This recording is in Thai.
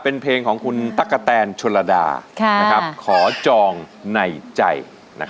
เป็นเพลงของคุณตะกะแตนชุณระดาขอจองในใจนะครับ